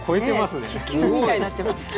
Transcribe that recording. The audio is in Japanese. ねえ気球みたいになってますね。